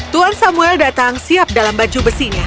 tuan samuel datang siap dalam baju besinya